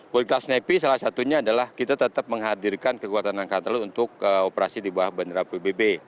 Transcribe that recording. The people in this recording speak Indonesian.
worlitas nepi salah satunya adalah kita tetap menghadirkan kekuatan angkatan laut untuk operasi di bawah bandara pbb